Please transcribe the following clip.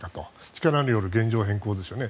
力による現状変更ですね。